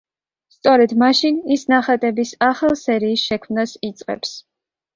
სწორედ მაშინ ის ნახატების ახალ სერიის შექმნას იწყებს.